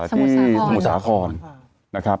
ที่สมุทรสาครนะครับ